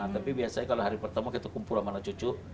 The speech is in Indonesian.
tapi biasanya kalau hari pertama kita kumpul sama cucu